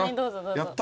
やった。